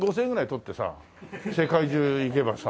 世界中行けばさ。